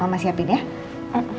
aku mau istirahat dulu aja ya